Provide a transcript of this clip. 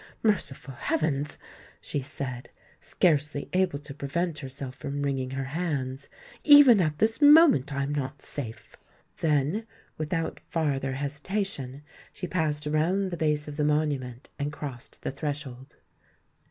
"Merciful heavens!" she said, scarcely able to prevent herself from wringing her hands; "even at this moment I am not safe!" Then, without farther hesitation, she passed round the base of the Monument, and crossed the threshold.